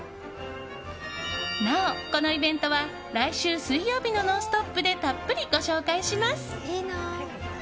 なお、このイベントは来週水曜日の「ノンストップ！」でたっぷりご紹介します。